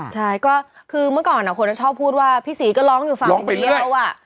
ใช่ก็คือเมื่อก่อนคนชอบพูดว่าพี่ศรีก็ร้องอยู่ฝั่งเดียว